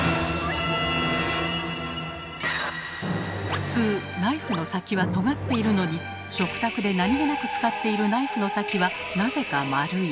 普通ナイフの先はとがっているのに食卓で何気なく使っているナイフの先はなぜか丸い。